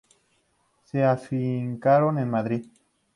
Se afincaron en Madrid.